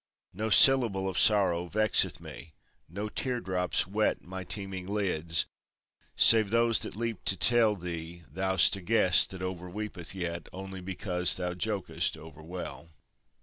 No syllable Of sorrow vexeth me, no tear drops wet My teeming lids, save those that leap to tell Thee thou'st a guest that overweepeth yet Only because thou jokest overwell.